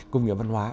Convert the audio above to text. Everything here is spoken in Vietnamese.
công nghiệp văn hóa